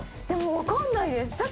でも分かんないです